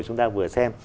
chúng ta vừa xem